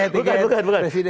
bukan bukan bukan